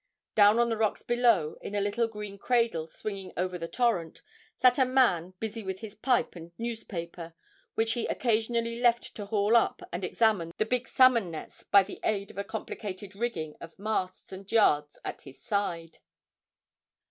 Down on the rocks below, in a little green cradle swinging over the torrent, sat a man busy with his pipe and newspaper, which he occasionally left to haul up and examine the big salmon nets by the aid of the complicated rigging of masts and yards at his side.